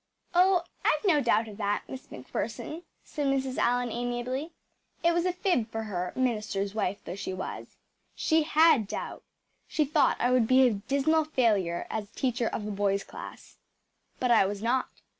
‚ÄĚ “Oh, I’ve no doubt of that, Miss MacPherson,‚ÄĚ said Mrs. Allan amiably. It was a fib for her, minister’s wife though she was. She HAD doubt. She thought I would be a dismal failure as teacher of a boys’ class. But I was not.